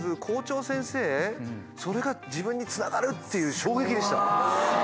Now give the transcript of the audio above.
それが自分につながるっていう衝撃でした。